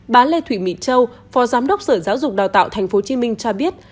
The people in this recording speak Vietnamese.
bà lê thủy mỹ châu phó giám đốc sở giáo dục đào tạo tp hcm cho biết